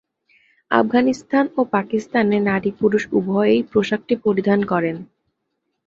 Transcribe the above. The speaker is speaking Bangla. আফগানিস্তান ও পাকিস্তানে নারী-পুরুষ উভয়েই পোশাকটি পরিধান করেন।